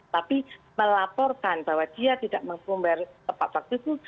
tapi melaporkan bahwa dia tidak membayar tepat waktu itu